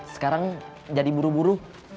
sekarang jadi buru buru